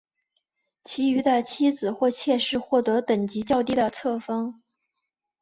其余的妻子或妾室获得等级较低的册封。